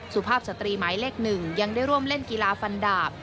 สุภาพสตรีหมายเลข๑ยังได้ร่วมเล่นกีฬาฟันดาบ